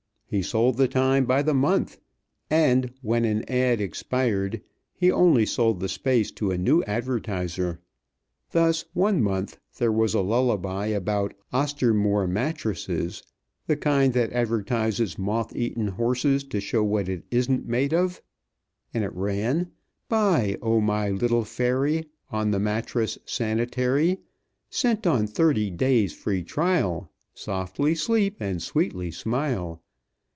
He sold the time by the month; and, when an ad. expired, he only sold the space to a new advertiser. Thus one month there was a lullaby about Ostermoor mattresses, the kind that advertises moth eaten horses to show what it isn't made of, and it ran: "Bye, oh! my little fairy. On the mattress sanitary Sent on thirty days' free trial Softly sleep and sweetly smile.